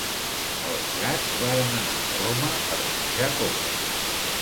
Els gats varen anar a Roma per menjar coca.